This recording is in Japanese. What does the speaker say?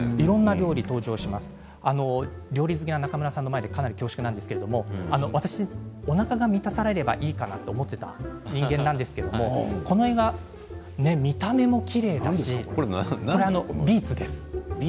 料理好きな中村さんの前で恐縮なんですが私はおなかが満たされればいいかなと思っていた人間なんですけどこの映画、見た目もきれいだしこれは、ビーツです。